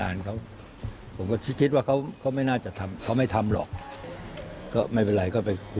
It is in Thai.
ท่านฟังแล้วท่านก็คงเข้าใจแล้ว